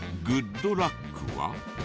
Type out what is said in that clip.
「グッドラック」は。